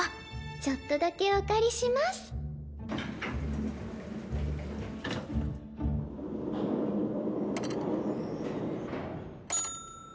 ちょっとだけお借りします。チーン